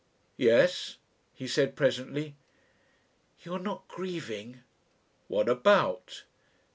"Yes?" he said presently. "You are not grieving?" "What about?"